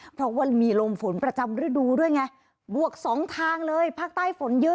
เพราะว่ามีลมฝนประจำฤดูร์ด้วยไง